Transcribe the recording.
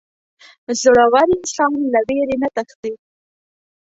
• زړور انسان له وېرې نه تښتي.